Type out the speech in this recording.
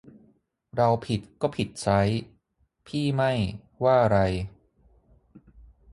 เราผิดก็ผิดไซร้ พี่ไม่ ว่าไร